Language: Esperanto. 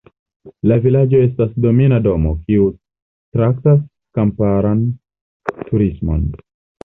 La vilaĝo estas domina domo, kiu traktas kamparan turismon.